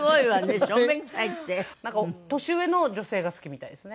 年上の女性が好きみたいですね。